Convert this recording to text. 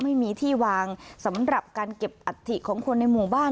ไม่มีที่วางสำหรับการเก็บอัฐิของคนในหมู่บ้าน